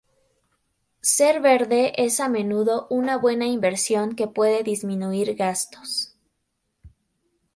Ser verde es a menudo una buena inversión que puede disminuir gastos.